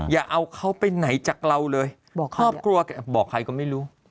อย่าเอาเขาไปไหนจากเราเลยบอกครอบครัวบอกใครก็ไม่รู้